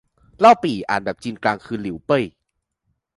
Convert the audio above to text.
เล่าปี่ อ่านแบบจีนกลางคือ หลิวเป้ย